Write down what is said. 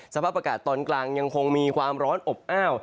สภาพอากาศตอนกลางยังคงมีความร้อนอบอ้าว